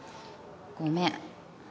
ごめん。